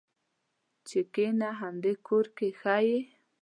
چې کېنه همدې کور کې ښه یې.